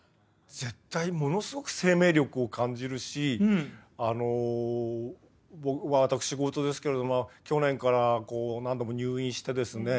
絶対ものすごく生命力を感じるしあの私事ですけれども去年からこう何度も入院してですね